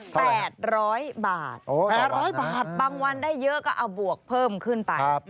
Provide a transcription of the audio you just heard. เท่าไรครับ๘๐๐บาทบางวันได้เยอะก็เอาบวกเพิ่มขึ้นไป